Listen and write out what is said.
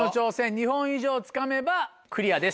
２本以上つかめばクリアです。